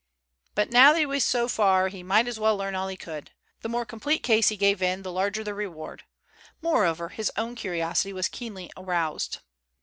But now that he was so far he might as well learn all he could. The more complete the case he gave in, the larger the reward. Moreover, his own curiosity was keenly aroused.